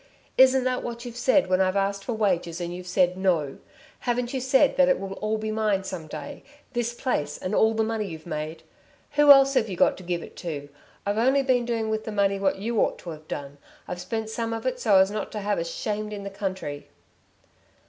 Isn't that what you've said when I've asked for wages and you've said: 'No!' Haven't you said that it will be all mine some day this place and all the money you've made? Who else have you got to give it to? I've only been doing with the money what you ought to have done. I've spent some of it so as not to have us shamed in the country."